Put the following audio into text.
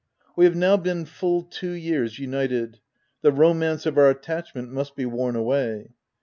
We have now been full two years united — the ' romance 5 of our attachment must be worn away.